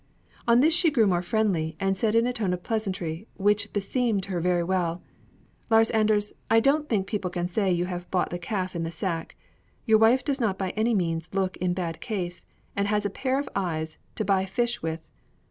On this she grew more friendly, and said in a tone of pleasantry, which beseemed her very well, "Lars Anders, I don't think people can say you have bought the calf in the sack. Your wife does not by any means look in bad case, and has a pair of eyes to buy fish with.